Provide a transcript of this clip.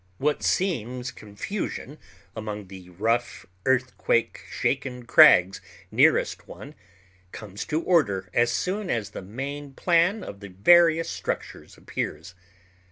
What seems confusion among the rough earthquake shaken crags nearest one comes to order as soon as the main plan of the various structures appears.